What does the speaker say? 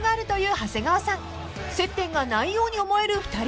［接点がないように思える２人。